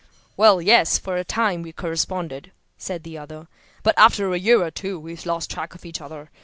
"Well, yes, for a time we corresponded," said the other. "But after a year or two we lost track of each other.